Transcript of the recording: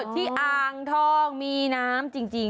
อ่างทองมีน้ำจริง